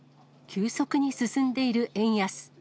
急速に進んでいる円安。